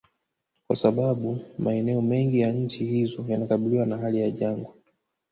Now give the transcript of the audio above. Kwa sababu maeneo mengi ya nchi hizo yanakabiliwa na hali ya jangwa